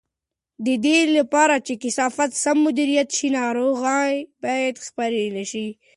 د دې لپاره چې کثافات سم مدیریت شي، ناروغۍ به خپرې نه شي.